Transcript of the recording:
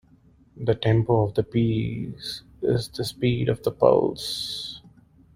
The tempo of the piece is the speed of the pulse.